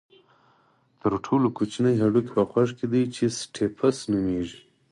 تر ټولو کوچنی هډوکی په غوږ کې دی چې سټیپس نومېږي.